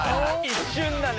・一瞬だね。